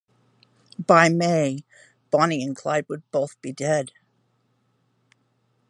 By May, Bonnie and Clyde would both be dead.